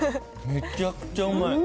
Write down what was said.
めっちゃくちゃうまい。